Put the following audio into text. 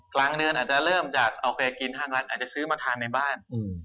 กลางเดือนอาจจะเริ่มจากโอเคกินห้างร้านอาจจะซื้อมาทานในบ้าน